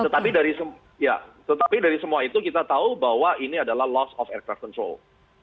tetapi dari semua itu kita tahu bahwa ini adalah loss of aircraft control